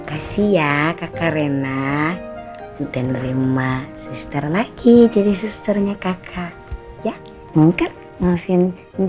kasih ya kakak rena dan rima sister lagi jadi susternya kakak ya mungkin ngufin